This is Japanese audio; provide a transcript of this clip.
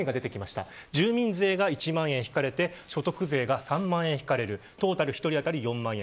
住民税が１万円引かれて所得税が３万円引かれるトータル１人当たり４万円